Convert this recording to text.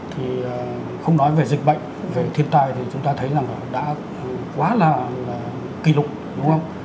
thì không nói về dịch bệnh về thiên tai thì chúng ta thấy rằng là nó đã quá là kỷ lục đúng không